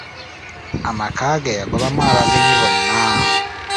Amaka ge yagobamu abagenyi bonna.